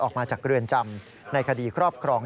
ออกมาจากเรือนจำในคดีครอบครอง